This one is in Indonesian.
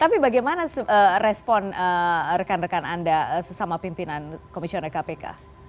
tapi bagaimana respon rekan rekan anda sesama pimpinan komisioner kpk